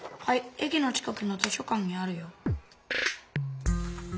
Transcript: えきの近くの図書館にあるよ。